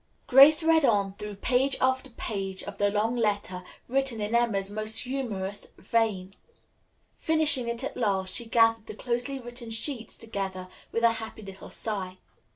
Grace read on through page after page of the long letter, written in Emma's most humorous vein. Finishing it at last, she gathered the closely written sheets together with a happy little sigh.